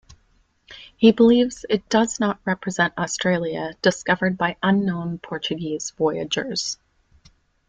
He believes it does not represent Australia discovered by unknown Portuguese voyagers.